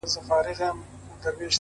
خپل دې يمه گرانه خو پردی نه يمه;